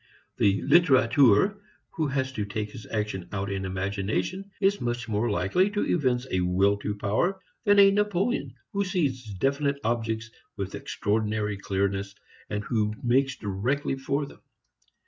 The literateur who has to take his action out in imagination is much more likely to evince a will to power than a Napoleon who sees definite objects with extraordinary clearness and who makes directly for them.